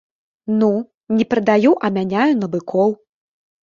Ну, не прадаю, а мяняю на быкоў.